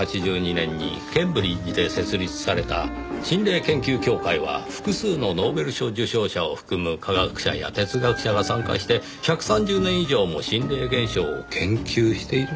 １８８２年にケンブリッジで設立された心霊研究協会は複数のノーベル賞受賞者を含む科学者や哲学者が参加して１３０年以上も心霊現象を研究しているのですから。